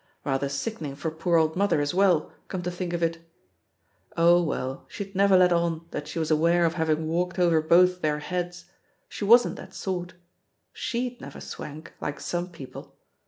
Rather sickening for poor old mother, as well, come to think of it! Oh, well, she'd never let on that she was aware of having walked over both their heads, she wasn't that sort. She'd never swank, like some people.